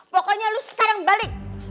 pokoknya lo sekarang balik